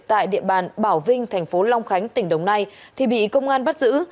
tại địa bàn bảo vinh thành phố long khánh tỉnh đồng nai thì bị công an bắt giữ